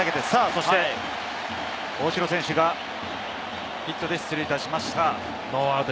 そして大城選手がヒットで出塁いたしました。